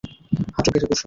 হাটুঁ গেড়ে বসুন।